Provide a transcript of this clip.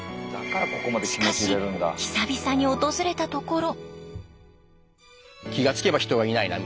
しかし久々に訪れたところ。